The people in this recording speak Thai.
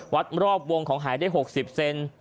วัดรอบวงของหายได้๖๐เซน